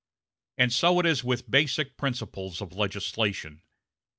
And so it is with the basic principles of legislation.